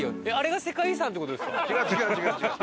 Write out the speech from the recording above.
違う違う違う違う。